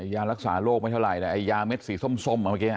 ยารักษาโรคไม่เท่าไหร่แต่ไอ้ยาเม็ดสีส้มเมื่อกี้